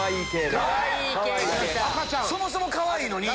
そもそもかわいいのに！